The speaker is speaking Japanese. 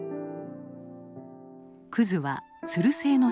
クズはつる性の植物。